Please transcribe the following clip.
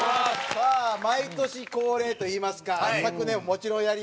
さあ毎年恒例といいますか昨年ももちろんやりまして。